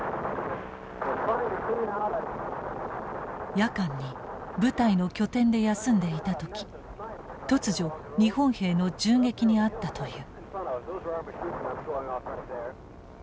夜間に部隊の拠点で休んでいた時突如日本兵の銃撃に遭ったという。